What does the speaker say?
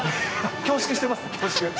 恐縮してます、恐縮。